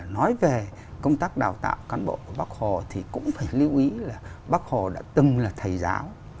nói về công tác đào tạo cán bộ của bác hồ thì cũng phải lưu ý là bác hồ đã từng là thầy giáo